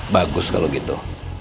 bagus kalau gitu